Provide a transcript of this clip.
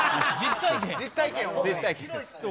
実体験や。